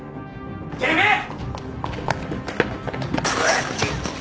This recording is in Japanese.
てめえ！